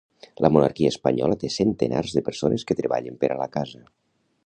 La monarquia espanyola té centenars de persones que treballen per a la casa.